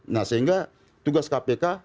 nah sehingga tugas kpk